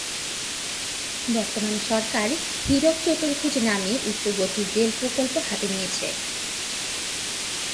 বর্তমান সরকার হীরক চতুর্ভুজ নামে উচ্চগতির রেল প্রকল্প হাতে নিয়েছে।